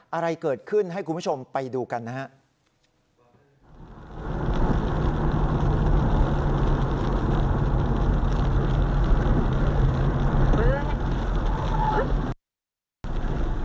อะไรเกิดขึ้นให้คุณผู้ชมไปดูกันนะครับ